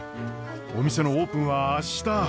お店のオープンは明日。